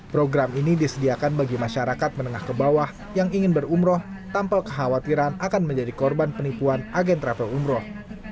program ini disediakan bagi masyarakat menengah ke bawah yang ingin berumroh tanpa kekhawatiran akan menjadi korban penipuan agen travel umroh